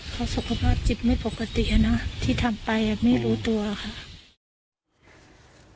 เขาสุขภาพจิตไม่ปกตินะที่ทำไปไม่รู้ตัวค่ะ